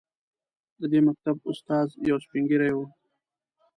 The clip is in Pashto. د دې مکتب استاد یو سپین ږیری و.